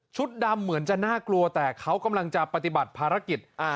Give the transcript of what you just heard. ดำเหมือนจะน่ากลัวแต่เขากำลังจะปฏิบัติภารกิจ